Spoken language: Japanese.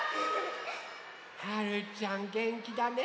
はるちゃんげんきだね。